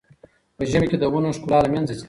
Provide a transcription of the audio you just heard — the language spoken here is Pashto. په ژمي کې د ونو ښکلا له منځه ځي.